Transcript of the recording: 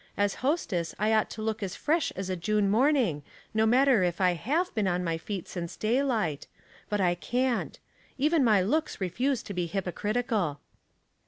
As hostess I ought to loot as fresh as a June morning, no matter if I have been on my feet since daylight; but I cant Even my looks refuse to be hypocritical."